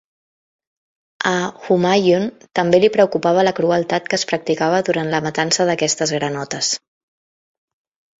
A Humayun també li preocupava la crueltat que es practicava durant la matança d'aquestes granotes.